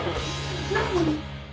何？